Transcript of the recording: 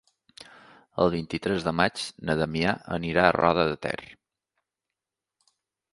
El vint-i-tres de maig na Damià anirà a Roda de Ter.